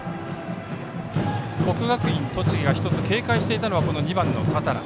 国学院栃木が１つ警戒していたのはこの２番、多田羅。